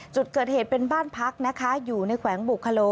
จุดเกิดเหตุเป็นบ้านพักนะคะอยู่ในแขวงบุคโล